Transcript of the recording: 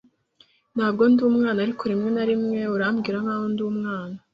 Ntabwo ndi umwana, ariko rimwe na rimwe urambwira nkaho ndi umwana.